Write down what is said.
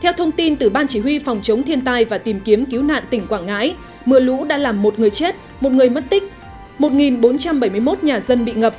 theo thông tin từ ban chỉ huy phòng chống thiên tai và tìm kiếm cứu nạn tỉnh quảng ngãi mưa lũ đã làm một người chết một người mất tích một bốn trăm bảy mươi một nhà dân bị ngập